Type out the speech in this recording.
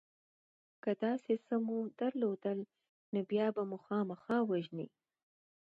که داسې څه مو درلودل نو بیا به مو خامخا وژني